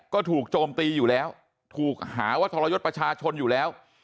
ก็ถูกโจมตีอยู่แล้วถูกหาว่าทรยศประชาชนอยู่แล้ว